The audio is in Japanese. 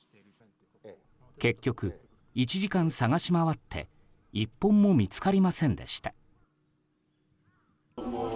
結局、１時間探し回って１本も見つかりませんでした。